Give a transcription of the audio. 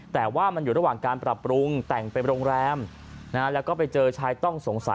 แต่ว่ามันอยู่ระหว่างการปรับปรุงแต่งเป็นโรงแรมแล้วก็ไปเจอชายต้องสงสัย